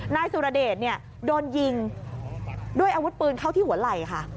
นายสุรเดชโดนยิงด้วยอาวุธปืนเข้าที่หัวไหล่ค่ะ